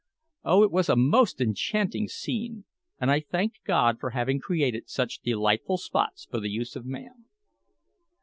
Oh, it was a most enchanting scene! and I thanked God for having created such delightful spots for the use of man.